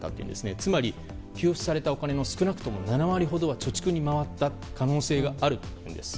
つまり給付されたお金は少なくとも７割ほどは貯蓄に回った可能性があるというんです。